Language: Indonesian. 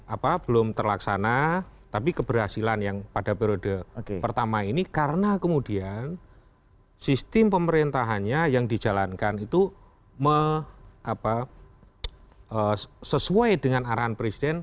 apa belum terlaksana tapi keberhasilan yang pada periode pertama ini karena kemudian sistem pemerintahannya yang dijalankan itu sesuai dengan arahan presiden